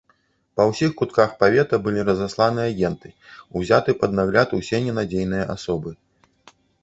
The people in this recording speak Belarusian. Па ўсіх кутках павета былі разасланы агенты, узяты пад нагляд усе ненадзейныя асобы.